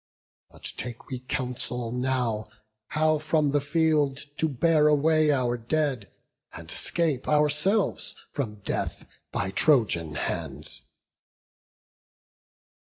But take we counsel now How from the field to bear away our dead, And 'scape ourselves from death by Trojan hands."